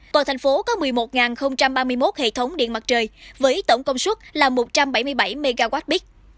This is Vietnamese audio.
toàn thành phố có một mươi một ba mươi một hệ thống điện mặt trời với tổng công suất là một trăm bảy mươi bảy mwp